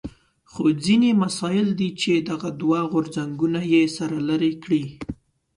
خو ځینې مسایل دي چې دغه دوه غورځنګونه یې سره لرې کړي.